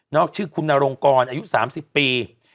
ชื่อคุณนรงกรอายุ๓๐ปี